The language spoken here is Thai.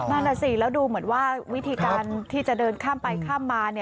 นั่นน่ะสิแล้วดูเหมือนว่าวิธีการที่จะเดินข้ามไปข้ามมา